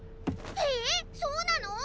えそうなの！？